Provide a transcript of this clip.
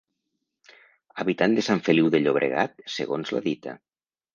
Habitant de Sant Feliu de Llobregat, segons la dita.